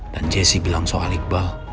dan jessi bilang soal iqbal